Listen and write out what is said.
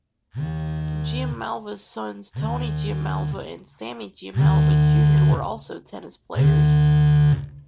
Giammalva's sons, Tony Giammalva and Sammy Giammalva, Junior were also tennis players.